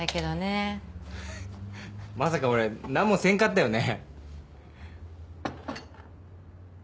えっまさか俺何もせんかったよね？